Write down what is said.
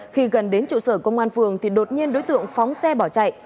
khi gần đến trụ sở công an phường thì đột nhiên đối tượng phóng xe bỏ chạy